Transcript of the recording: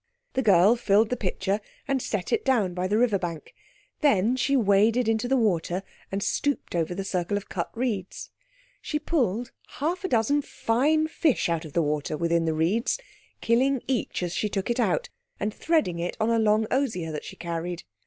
The girl filled the pitcher and set it down by the river bank. Then she waded into the water and stooped over the circle of cut reeds. She pulled half a dozen fine fish out of the water within the reeds, killing each as she took it out, and threading it on a long osier that she carried.